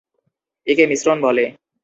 একে মিশ্রণ বলে।